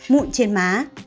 mụn trên má